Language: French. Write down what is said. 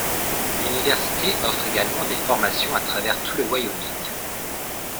L'université offre également des formations à travers tout le Wyoming.